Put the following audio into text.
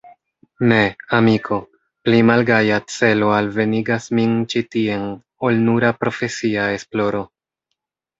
Ne, amiko, pli malgaja celo alvenigas min ĉi tien, ol nura profesia esploro.